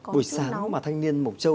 buổi sáng mà thanh niên mộc châu